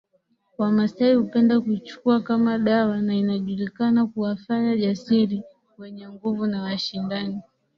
Wamasai hupenda kuichukua kama dawa na inajulikana kuwafanya jasiri wenye nguvu na washindani